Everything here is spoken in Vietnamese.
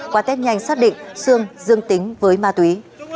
qua tết nhanh xác định sương dương tính với ma túy